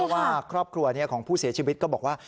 ว่าครอบครัวของผู้เสียชีวิตก็บอกว่า